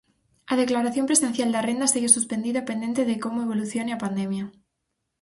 A declaración presencial da renda segue suspendida e pendente de como evolucione a pandemia.